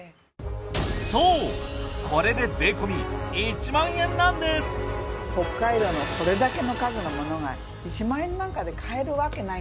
そうこれで北海道のこれだけの数のものが１万円なんかで買えるわけない。